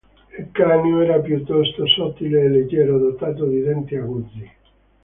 Il cranio era piuttosto sottile e leggero, dotato di denti aguzzi.